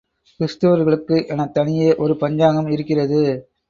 கிறிஸ்துவர்களுக்கு எனத் தனியே ஒரு பஞ்சாங்கம் இருக்கிறது!